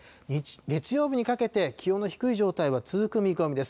月曜日にかけて、気温の低い状態は続く見込みです。